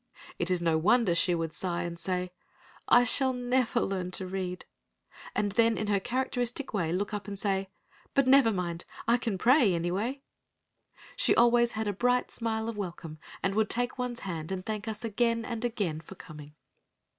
It is no wonder she would sigh and say, "I shall never learn to read," and then in her characteristic way look up and say, "But never mind, I can pray anyway!" She always had a bright smile of welcome, and would take one's hand and thank us again and again for coming.